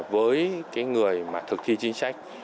với người thực thi chính sách